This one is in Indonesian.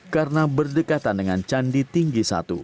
karena berdekatan dengan candi tinggi satu